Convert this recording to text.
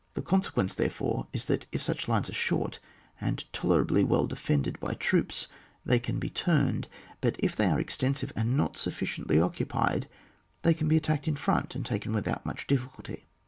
The consequence, therefore, is, that if such lines are short and tolerably well defended by troops, they can be turned ; but if they are exten sive, and not sufBlciently occupied, they can be attacked in front, and taken with out much difficulty.